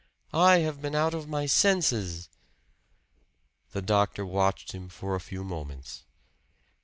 "I have been out of my senses!" The doctor watched him for a few moments.